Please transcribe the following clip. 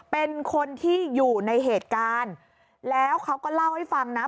เป็นคนที่อยู่ในเหตุการณ์แล้วเขาก็เล่าให้ฟังนะ